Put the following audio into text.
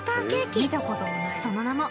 ［その名も］